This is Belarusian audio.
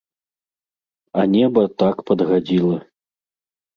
А неба так падгадзіла.